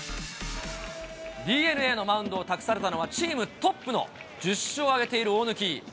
ＤｅＮＡをマウンドを託されたのは、チームトップの１０勝を挙げている大貫。